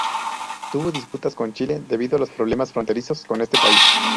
Tuvo disputas con Chile debido a los problemas fronterizos con este país.